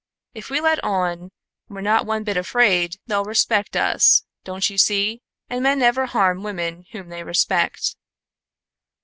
If we let on we're not one bit afraid they'll respect us, don't you see, and men never harm women whom they respect."